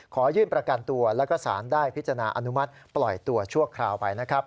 ขอยื่นประกันตัวแล้วก็สารได้พิจารณาอนุมัติปล่อยตัวชั่วคราวไปนะครับ